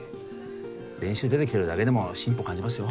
練習出てきてるだけでも進歩感じますよ